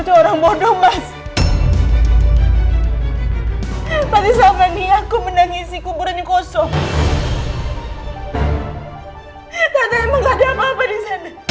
ternyata sampai ini kamu buangin terus aku mas